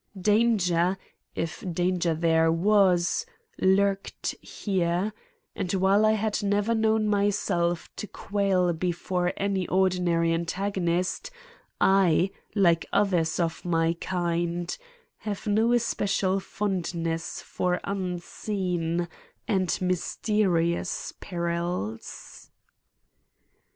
Danger, if danger there was, lurked here; and while I had never known myself to quail before any ordinary antagonist, I, like others of my kind, have no especial fondness for unseen and mysterious perils.